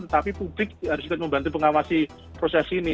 tetapi publik harus juga membantu pengawasi proses ini